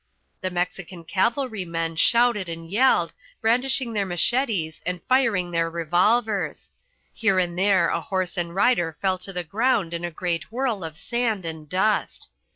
The Mexican cavalry men shouted and yelled, brandishing their machetes and firing their revolvers. Here and there a horse and rider fell to the ground in a great whirl of sand and dust.